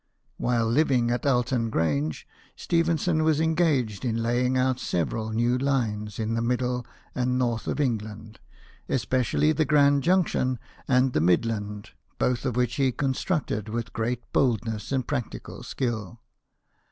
While living at Alton Grange, Stephenson was GEORGE STEPHENSON, ENGINE MAN. 57 engaged in laying out several new lines in the middle and north of England, especially the Gre.nd Junction and the Midland, both of which he constructed with great boldness and practical skill.